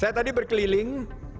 saya tadi berkeliling